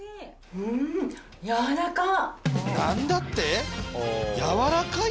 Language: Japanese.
うんやわらかっ！